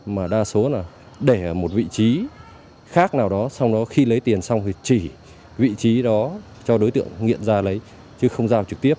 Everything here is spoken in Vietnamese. mà đa số là để ở một vị trí khác nào đó xong đó khi lấy tiền xong thì chỉ vị trí đó cho đối tượng nghiện ra lấy chứ không giao trực tiếp